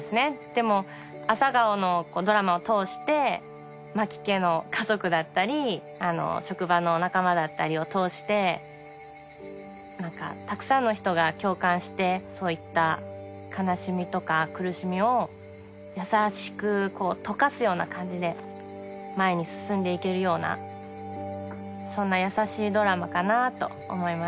でも『朝顔』のドラマを通して万木家の家族だったり職場の仲間だったりを通してたくさんの人が共感してそういった悲しみとか苦しみを優しくとかすような感じで前に進んでいけるようなそんな優しいドラマかなと思います。